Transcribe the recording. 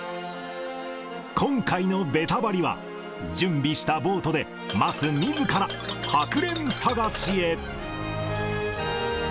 今回のベタバリ！は、準備したボートで桝みずからハクレン探しへ。